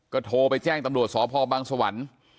ก็โทรไปแจ้งตำรวจสพบังสวรรค์